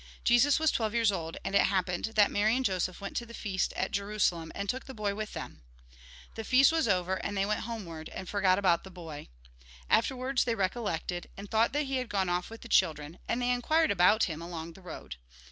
Jesus was twelve years old ; and it happened that Mary and Joseph went to the feast at Jerusalem, and took the boy with them. The feast was over, and they went homeward, and forgot about the boy. Afterwards they recollected, and thought that he had gone off with the children, and they inquired about him along the road.